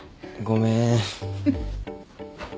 ごめーん。